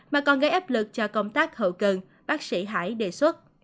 mà còn gây ép lực cho công tác hậu cường bác sĩ hải đề xuất